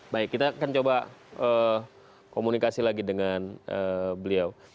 baik kita akan coba komunikasi lagi dengan beliau